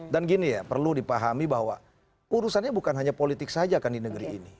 dan gini ya perlu dipahami bahwa urusannya bukan hanya politik saja kan di negeri ini